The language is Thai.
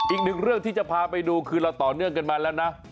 อีกหนึ่งเรื่องที่จะพาไปดูคือเราต่อเนื่องกันมาแล้วนะ